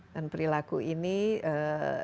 dan perilaku ini juga berbeda